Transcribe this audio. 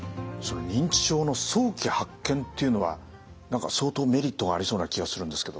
認知症の早期発見っていうのは何か相当メリットがありそうな気がするんですけど。